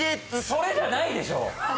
それじゃないでしょう！